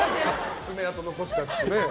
爪痕残したってね。